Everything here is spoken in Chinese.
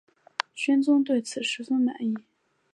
宣宗对此十分满意。